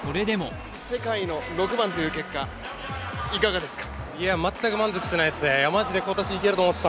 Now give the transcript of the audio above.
世界の６番という結果いかがですか。